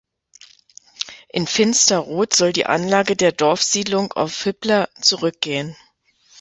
In Finsterrot soll die Anlage der Dorfsiedlung auf Hipler zurückgehen.